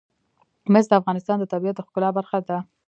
مس د افغانستان د طبیعت د ښکلا برخه ده.